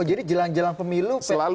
jadi jelang jelang pemilu